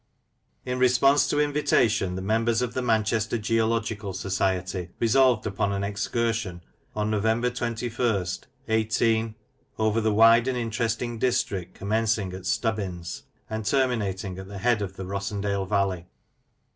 » IN response to invitation, the members of the Manchester Geological Society resolved upon an excursion on November 21st, 18 —, over the wide and interesting district commencing at Stubbins, and terminating at the head of the Rossendale valley.